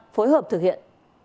phối hợp thực hiện